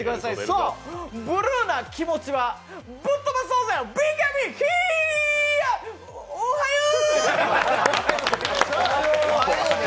そう、ブルーな気持ちはぶっとばそうぜ、ＢＫＢ、ヒィーヤヒィ、おはよう。